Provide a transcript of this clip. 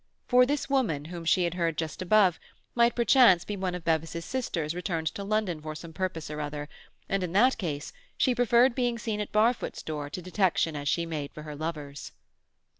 For this woman whom she heard just above might perchance be one of Bevis's sisters, returned to London for some purpose or other, and in that case she preferred being seen at Barfoot's door to detection as she made for her lover's.